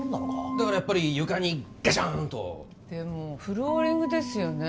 だからやっぱり床にガシャーン！とでもフローリングですよね